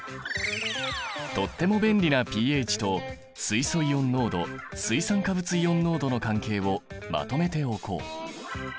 とっても便利なｐＨと水素イオン濃度水酸化物イオン濃度の関係をまとめておこう。